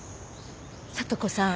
里子さん。